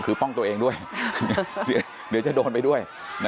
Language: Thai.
คือป้องตัวเองด้วยเดี๋ยวจะโดนไปด้วย